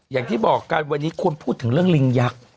อย่างที่บอกกันวันนี้ควรพูดถึงเรื่องลิงยักษ์